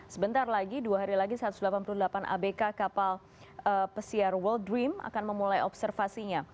sebentar lagi dua hari lagi satu ratus delapan puluh delapan abk kapal pesiar world dream akan memulai observasinya